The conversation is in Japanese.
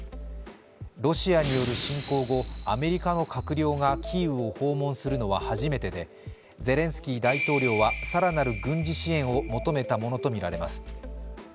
ロシアによる侵攻後、アメリカの閣僚がキーウを訪問するのは初めてでゼレンスキー大統領はさらなる軍事支援を求めたとみられています。